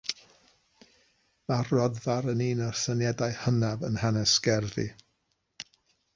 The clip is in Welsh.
Mae'r rhodfa yn un o'r syniadau hynaf yn hanes gerddi.